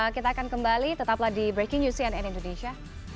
kita akan kembali tetaplah di breaking news cnn indonesia